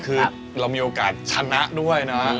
คือเรามีโอกาสชนะด้วยนะ